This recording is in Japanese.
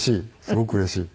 すごくうれしい。